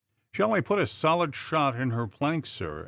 *^ Shair I put a solid shot in her planks, sir?"